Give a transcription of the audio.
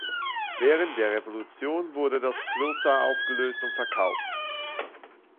Während der Revolution wurde das Kloster aufgelöst und verkauft.